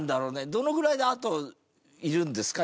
どのぐらいであといるんですか？